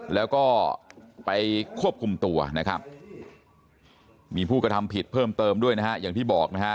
แล้วก็ไปควบคุมตัวนะครับมีผู้กระทำผิดเพิ่มเติมด้วยนะฮะอย่างที่บอกนะฮะ